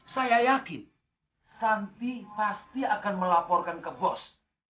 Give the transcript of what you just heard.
saya yakin santi pasti akan melaporkan ke bos